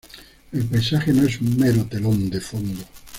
El paisaje no es un mero telón de fondo.